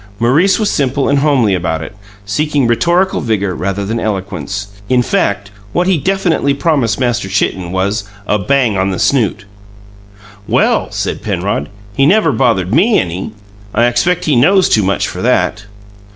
Maurice was simple and homely about it, seeking rhetorical vigour rather than elegance; in fact, what he definitely promised Master Chitten was "a bang on the snoot." "Well," said Penrod, "he never bothered ME any. I expect he knows too much for that!"